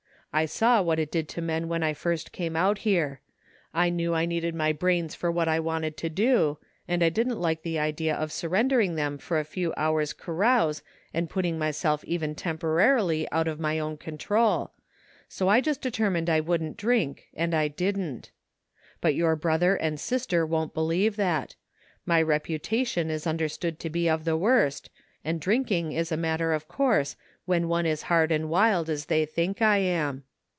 I saw what it did to men when I first came out here. I knew I needed my brains for what I wanted to do, and I didn't like the idea of surrendering them for a few hours' carouse and putting myself even temporarily out of my own con trol, so I just determined I wouldn't drink and I didn't. But your brother and sister won't believe that. My reputation is tmderstood to be of the worst, and drink ing is a matter of course when one is hard and wild as they think I am.